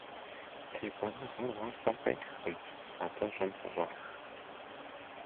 Текӏуэныгъэр уафэм къехкъым, атӏэ щӏым къыщӏах.